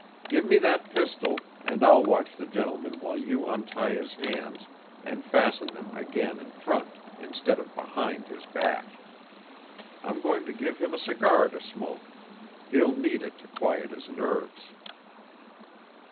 Give me that pistol, and I'll watch the gentleman while you untie his hands and fasten them again in front instead of behind his back. I'm going to give him a cigar to smoke; he'll need it to quiet his nerves."